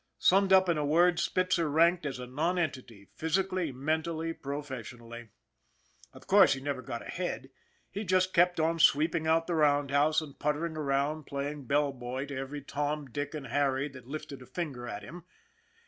Summed up in a word, Spitzer ranked as a nonentity, physically, mentally, pro fessionally. Of course he never got ahead. He just kept on sweeping out the roundhouse and puttering around playing bell boy to every Tom, Dick and Harry that lifted a finger at him.